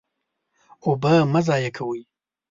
اوبه مه ضایع کوئ.